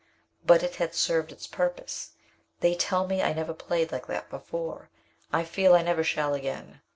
But it had served its purpose. They tell me I never played like that before. I feel I never shall again.